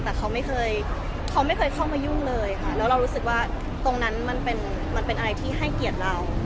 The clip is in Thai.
แต่เขาไม่เคยเขาไม่เคยเข้ามายุ่งเลยค่ะแล้วเรารู้สึกว่าตรงนั้นมันเป็นอะไรที่ให้เกียรติเรา